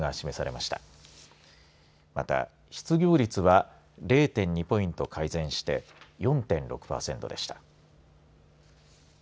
また、失業率は０．２ポイント改善して４．６パーセントでした。